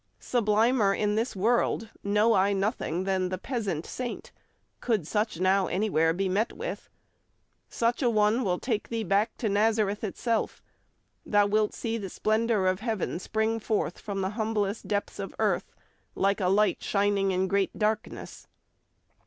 Sublimer in this world know I nothing than the Peasant Saint, could such now anywhere be met with. Such a one will take thee back to Nazareth itself; thou wilt see the splendour of Heaven spring forth from the humblest depths of Earth, like a light shining in great darkness."